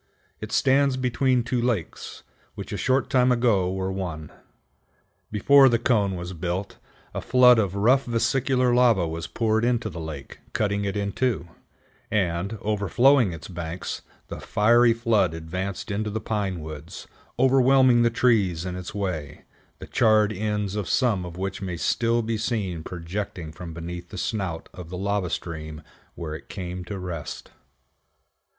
It stands between two lakes, which a short time ago were one. Before the cone was built, a flood of rough vesicular lava was poured into the lake, cutting it in two, and, overflowing its banks, the fiery flood advanced into the pine woods, overwhelming the trees in its way, the charred ends of some of which may still be seen projecting from beneath the snout of the lava stream where it came to rest.